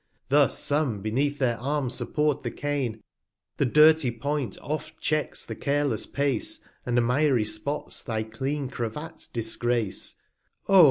75 Thus some beneath their Arm support the Cane; The dirty Point oft checks the careless Pace, And miry Spots thy clean Cravat disgrace : O!